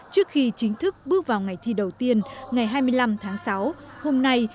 trước khi chính thức bước vào ngày thi đầu tiên ngày hai mươi năm tháng sáu hôm nay